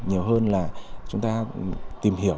nhiều hơn là chúng ta tìm hiểu